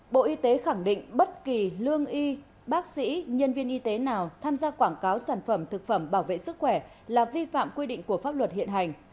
bộ y tế khẳng định bất kỳ lương y bác sĩ nhân viên y tế nào tham gia quảng cáo sản phẩm thực phẩm bảo vệ sức khỏe là vi phạm quy định của pháp luật hiện hành